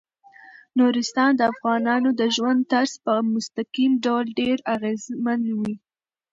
نورستان د افغانانو د ژوند طرز په مستقیم ډول ډیر اغېزمنوي.